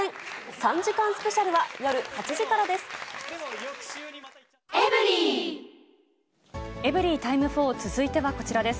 ３時間スペシャルは夜８時からです。